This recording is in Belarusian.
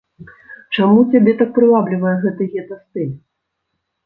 Чаму цябе так прываблівае гэты гета-стыль?